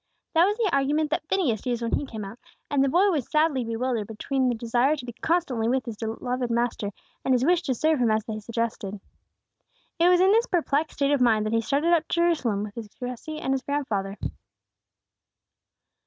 That was the argument that Phineas used when he came out; and the boy was sadly bewildered between the desire to be constantly with his beloved Master, and his wish to serve Him as they suggested. It was in this perplexed state of mind that he started up to Jerusalem with Jesse and his grandfather.